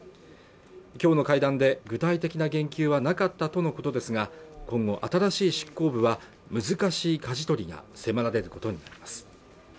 きょうの会談で具体的な言及はなかったとのことですが今後新しい執行部は難しいかじ取りが迫られることになります